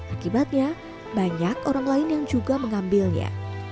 akibatnya banyak orang lain yang juga mengambilnya